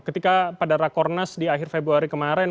ketika pada rakornas di akhir februari kemarin